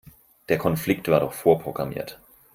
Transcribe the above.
Der Konflikt war doch vorprogrammiert.